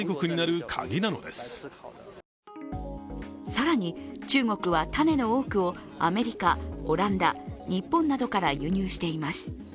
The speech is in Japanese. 更に中国は種の多くを、アメリカ、オランダ日本などから輸入しています。